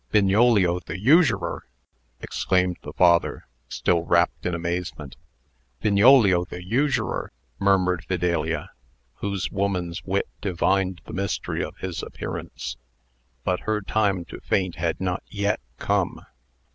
"Bignolio the usurer!" exclaimed the father, still wrapped in amazement. "Bignolio the usurer!" murmured Fidelia, whose woman's wit divined the mystery of his appearance. But her time to faint had not yet come.